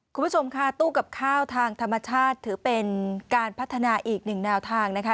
คุณผู้ชมค่ะตู้กับข้าวทางธรรมชาติถือเป็นการพัฒนาอีกหนึ่งแนวทางนะคะ